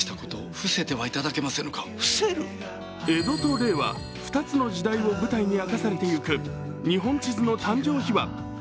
江戸と令和、２つの時代を舞台に明かされていく日本地図の誕生秘話。